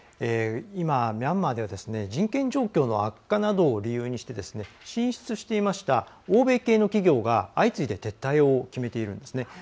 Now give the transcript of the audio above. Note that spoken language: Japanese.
今、ミャンマーでは人権状況の悪化などを理由にして進出していました欧米系の企業が相次いで撤退を決めているんですね。